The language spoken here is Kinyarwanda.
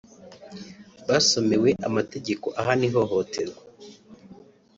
basomewe amategeko ahana ihohoterwa